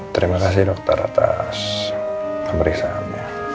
terima kasih dokter atas memberi sahamnya